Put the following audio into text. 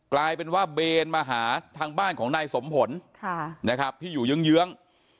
กลายเป็นว่าเบนมาหาทางบ้านของนายสมผลนะครับที่อยู่เยื้อง